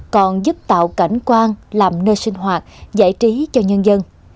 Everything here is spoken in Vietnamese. còn giúp tạo cảnh quan làm nơi sinh hoạt giải trí cho nhân dân